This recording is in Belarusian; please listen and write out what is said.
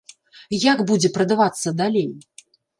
Як будзе прадавацца далей?